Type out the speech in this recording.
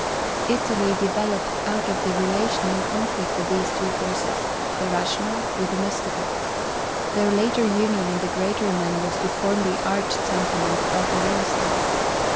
Italy developed out of the relation and conflict of these two forces the rational with the mystical. Their later union in the greater men was to {x} form the art temperament of the Renaissance.